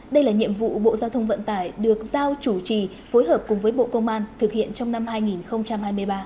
đây là nhiệm vụ bộ giao thông vận tải được giao chủ trì phối hợp cùng với bộ công an thực hiện trong năm hai nghìn hai mươi ba